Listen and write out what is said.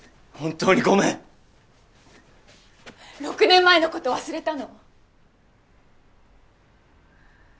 ６年前のこと忘れたの？